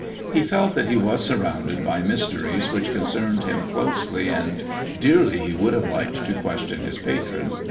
He felt that he was surrounded by mysteries which concerned him closely, and dearly he would have liked to question his patron.